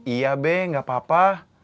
iya be gak apa apa